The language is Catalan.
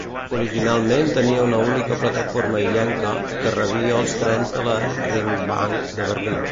Originalment tenia una única plataforma illenca, que rebia els trens de la Ringbahn de Berlín.